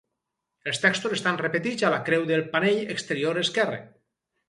Els textos estan repetits a la creu del panell exterior esquerre.